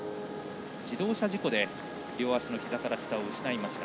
自動車事故で両足のひざから下を失いました。